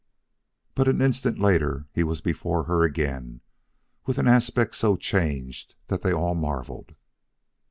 But in an instant later he was before her again, with an aspect so changed that they all marveled.